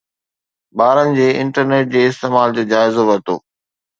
ٻارن جي انٽرنيٽ جي استعمال جو جائزو ورتو